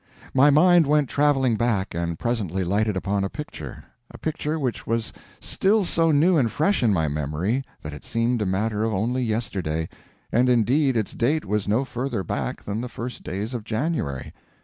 My mind went travelling back, and presently lighted upon a picture—a picture which was still so new and fresh in my memory that it seemed a matter of only yesterday—and indeed its date was no further back than the first days of January.